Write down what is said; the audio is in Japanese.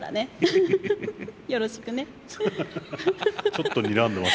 ちょっとにらんでます。